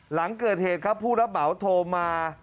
หลังเกิดเหตุครับผู้รับเหมาโทรมา